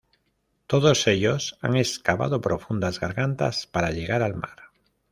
Todos ellos han excavado profundas gargantas para llegar al mar.